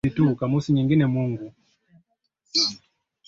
Kitamaduni kabila la kimasai limekuwa na imani ya Mungu mmoja daima